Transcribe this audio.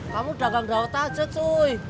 kamu dagang gawat aja cuy